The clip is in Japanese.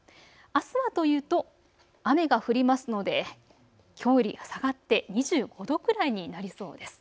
あすはというと雨が降りますのできょうより下がって２５度くらいになりそうです。